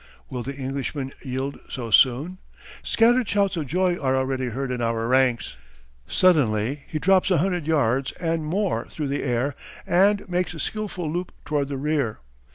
Will the Englishman yield so soon? Scattered shouts of joy are already heard in our ranks. Suddenly he drops a hundred yards and more through the air and makes a skillful loop toward the rear.